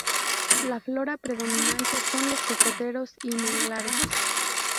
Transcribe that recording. La flora predominante son los cocoteros y manglares.